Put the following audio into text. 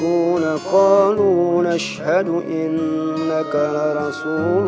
yes pakot dessep tunggu sebentar